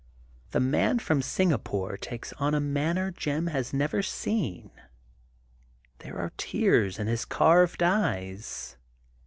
The Man from Singapore takes on a manner Jim has never seen. There are tears in his carved eyes.